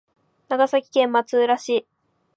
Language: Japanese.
長崎県松浦市